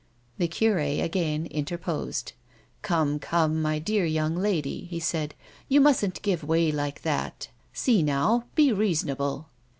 The cure again interposed. " Come, come, my dear young lady," he said, " you mustn't give way like that. See now, be reasonable."